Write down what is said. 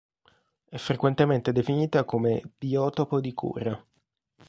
È frequentemente definita come "biotopo di cura".